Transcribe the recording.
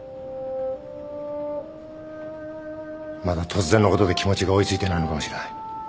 まだ突然のことで気持ちが追い付いてないのかもしれない。